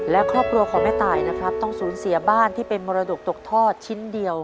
และครอบครัวของแม่ตายนะครับต้องสูญเสียบ้านที่เป็นมรดกตกทอดชิ้นเดียว